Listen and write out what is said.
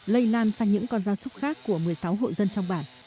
lây lan sang những con gia súc khác của một mươi sáu hộ dân trong bản